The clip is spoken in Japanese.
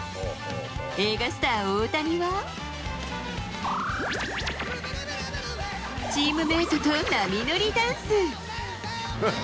映画スター・大谷は、チームメートと波乗りダンス。